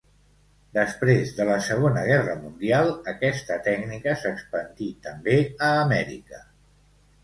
Després de la Segona Guerra Mundial aquesta tècnica s'expandí també a Amèrica.